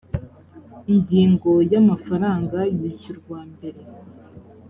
ingingo ya amafaranga yishyurwa mbere